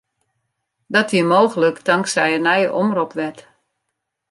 Dat wie mooglik tanksij in nije omropwet.